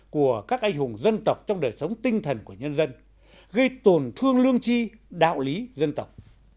của các anh hùng dân tộc trong đời sống tinh thần của nhân dân gây tổn thương lương chi đạo lý dân tộc